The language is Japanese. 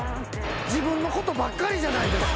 自分のことばっかりじゃないですか。